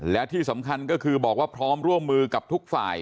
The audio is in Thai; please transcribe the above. และที่สำคัญก็คือบอกว่าพร้อมร่วมมือกับทุกฝ่าย